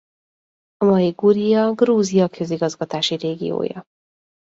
A mai Guria Grúzia közigazgatási régiója.